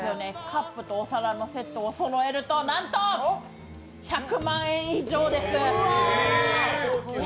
カップとお皿のセットをそろえるとなんと、１００万円以上です！